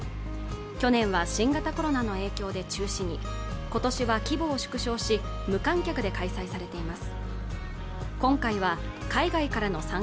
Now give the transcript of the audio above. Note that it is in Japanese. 去年は新型コロナの影響で中止に今年は規模を縮小し無観客で開催されています